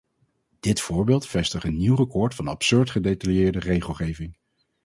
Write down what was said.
Dit voorbeeld vestigt een nieuw record van absurd gedetailleerde regelgeving.